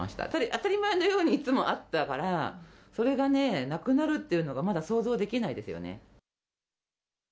当たり前のようにいつもあったから、それがね、なくなるというのが、まだ想像できないですよね。